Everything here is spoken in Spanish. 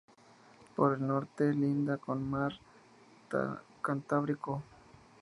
Por el norte linda con el mar Cantábrico.